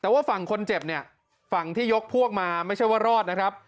แต่ว่าฝั่งคนเจ็บเนี่ยฝั่งที่ยกพวกมาไม่ใช่ว่ารอดนะครับ